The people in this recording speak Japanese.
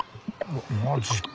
マジか。